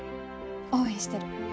応援してる。